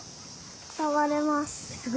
さわれます。